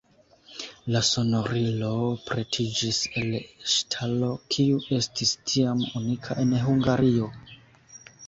La sonorilo pretiĝis el ŝtalo, kiu estis tiam unika en Hungario.